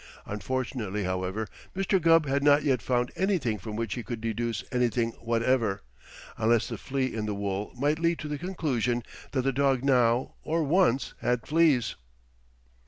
Unfortunately, however, Mr. Gubb had not yet found anything from which he could deduce anything whatever, unless the flea in the wool might lead to the conclusion that the dog now, or once, had fleas.